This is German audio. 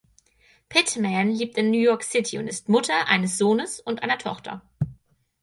Pittman lebt in New York City und ist Mutter eines Sohnes und einer Tochter.